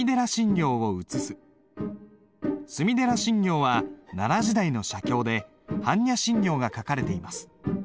隅寺心経は奈良時代の写経で般若心経が書かれています。